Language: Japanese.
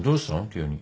急に。